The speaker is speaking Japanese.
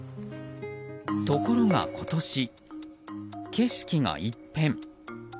ところが今年、景色が一変。